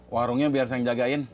warungnya biar saya jagain